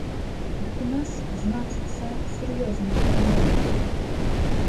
Дык у нас, значыцца, сур'ёзная перамога.